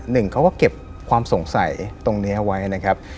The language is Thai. หนึ่งเขาก็เก็บความสงสัยตรงนี้เอาไว้นะครับ